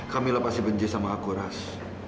camilla pasti benci sama aku ras